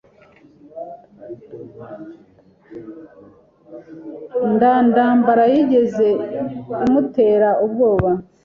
Nda ndambara yigeze imutera ubwoba.